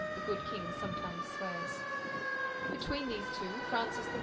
the good king sometimes swears. Between these two, Francis I.